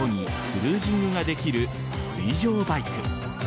クルージングができる水上バイク。